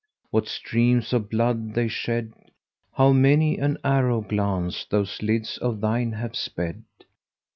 What streams of blood they shed! * How many an arrowy glance those lids of thine have sped.